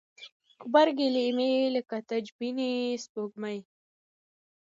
غبرګي لیمې لکه تبجنې سپوږمۍ